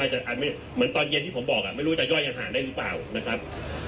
เหมือนตอนเย็นที่ผมบอกไม่รู้จะย่อยอาหารได้หรือเปล่านะครับ